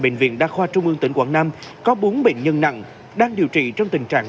bệnh viện đa khoa trung ương tỉnh quảng nam có bốn bệnh nhân nặng đang điều trị trong tình trạng